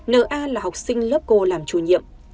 nna là học sinh lớp cô làm chủ nhiệm